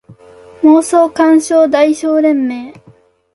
妄想感傷代償連盟